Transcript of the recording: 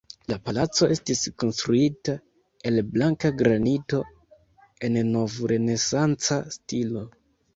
La palaco estis konstruita el blanka granito en nov-renesanca stilo.